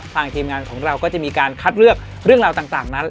ทีมงานของเราก็จะมีการคัดเลือกเรื่องราวต่างนั้น